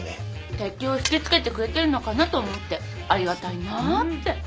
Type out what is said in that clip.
敵を引きつけてくれてるのかなと思ってありがたいなあって。